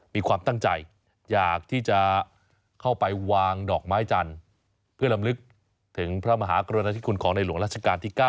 มีความตั้งใจอยากที่จะเข้าไปวางดอกไม้จันทร์เพื่อลำลึกถึงพระมหากรณาธิคุณของในหลวงราชการที่๙